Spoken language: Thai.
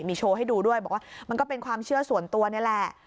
มีโชว์ให้ดูด้วยบอกว่ามันก็เป็นความเชื่อส่วนตัวนี่แหละ